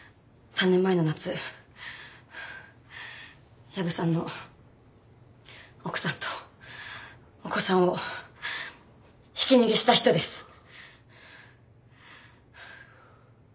３年前の夏薮さんの奥さんとお子さんをひき逃げした人です。